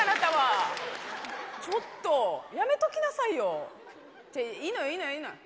ちょっとやめときなさいよ。っていいのよいいのよいいのよ。